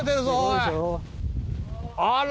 あら。